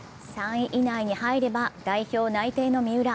３位以内に入れば代表内定の三浦。